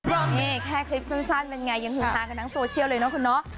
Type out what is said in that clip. โอเคแค่คลิปสั้นเป็นยังไงยังถึงทางกันทั้งโซเชียลเลยเนาะคุณน้อง